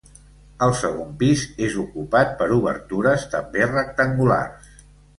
El segon pis és ocupat per obertures també rectangulars.